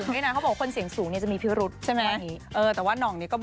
ชื่อเธอว่าเพราะคนเสียงสูงเนี่ยจะมีพิวท์ไปรุด